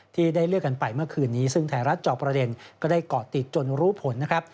ที่ได้เลือกกันไปเมื่อคืนนี้ซึ่งไทยรัฐจอบประเด็นก็ได้เกาะติดจนรู้ผลนะครับ